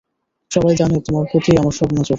সবাই জানে তোমার প্রতিই আমার সব নজর।